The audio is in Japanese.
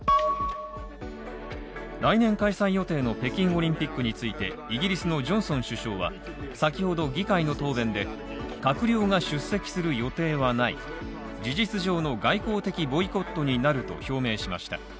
来年開催予定の北京オリンピックについてイギリスのジョンソン首相は、先ほど議会の答弁で、閣僚が出席する予定はない、事実上の外交的ボイコットになると表明しました。